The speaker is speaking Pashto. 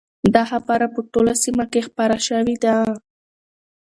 دا خبره په ټوله سیمه کې خپره شوې ده.